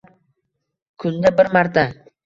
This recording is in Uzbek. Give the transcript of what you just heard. Kunda bir marta